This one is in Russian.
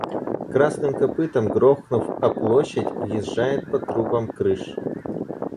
Красным копытом грохнув о площадь, въезжает по трупам крыш!